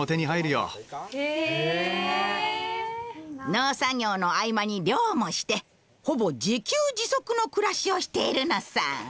農作業の合間に漁もしてほぼ自給自足の暮らしをしているのさ。